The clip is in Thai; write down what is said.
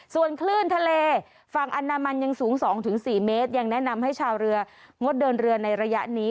ส่วนคลื่นทะเลฝั่งอนามันยังสูง๒๔เมตรยังแนะนำให้ชาวเรืองดเดินเรือในระยะนี้